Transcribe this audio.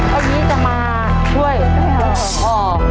ป๊ายีจะมาช่วยออม